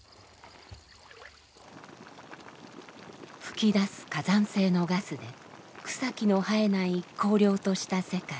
噴き出す火山性のガスで草木の生えない荒涼とした世界。